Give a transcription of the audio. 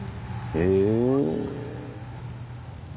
へえ。